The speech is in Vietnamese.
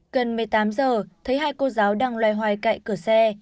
gần một mươi tám giờ thấy hai cô giáo đang loay hoay cậy cửa xe